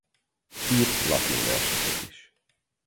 Írt latin verseket is.